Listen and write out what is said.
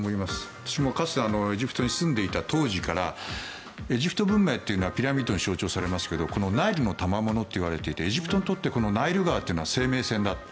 私もかつてエジプトに住んでいた当時からエジプト文明というのはピラミッドが象徴されますけどナイルのたまものといわれていてエジプトにとってナイル川は生命線だと。